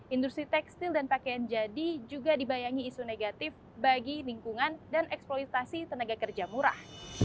industri tekstil dan pakaian jadi juga dibayangi isu negatif bagi lingkungan dan eksploitasi tenaga kerja murah